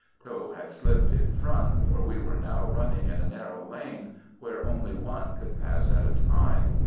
Tho had slipped in front, for we were now running in a narrow lane, where only one could pass at a time.